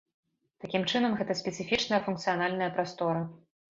Такім чынам гэта спецыфічная функцыянальная прастора.